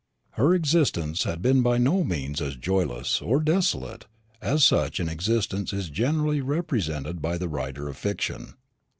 Her existence had been by no means as joyless or desolate as such an existence is generally represented by the writer of fiction.